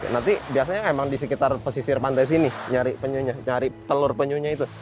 nanti biasanya emang di sekitar pesisir pantai sini nyari penyunya nyari telur penyunya itu